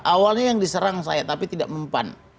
awalnya yang diserang saya tapi tidak mempan